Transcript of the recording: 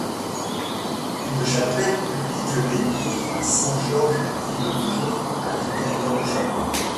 Une chapelle publique dédiée à saint Georges vit le jour à l'intérieur du château.